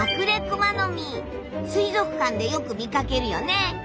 水族館でよく見かけるよね。